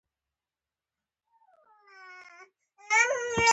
ډرامه د ټولنیز بدلون برخه ده